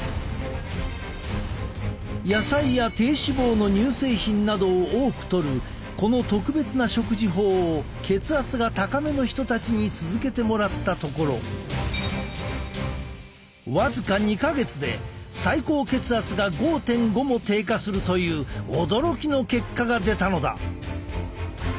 野菜や低脂肪の乳製品などを多くとるこの特別な食事法を血圧が高めの人たちに続けてもらったところ僅か２か月で最高血圧が５．５も低下するという驚きの結果が出たのだ！